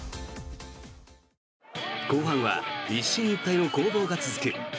後半は一進一退の攻防が続く。